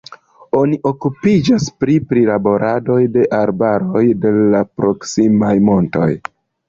Oni okupiĝas pri prilaborado de arbaroj de la proksimaj montoj.